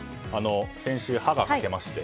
先週、歯が欠けまして。